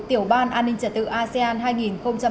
tiểu ban an ninh trật tự asean hai nghìn hai mươi